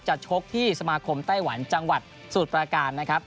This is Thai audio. ชกที่สมาคมไต้หวันจังหวัดสมุทรประการนะครับ